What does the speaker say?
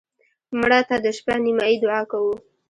مړه ته د شپه نیمایي دعا کوو